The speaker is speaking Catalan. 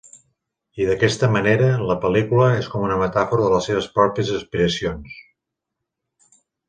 I, d'aquesta manera, la pel·lícula és com una metàfora de les seves pròpies aspiracions.